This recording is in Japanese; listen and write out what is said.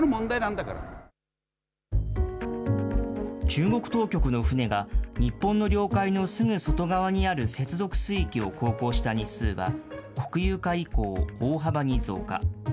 中国当局の船が日本の領海のすぐ外側にある接続水域を航行した日数は、国有化以降、大幅に増加。